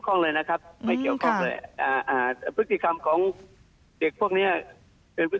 ซึ่งก้อมากระทำความผิดแบบนี้อีกค่ะค่ะทรบดีในส่วนของสำรวจบุทร